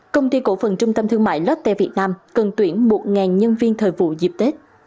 công ty cổ phần trung tâm thương mại lotte việt nam cần tuyển một nhân viên thời vụ dịp tết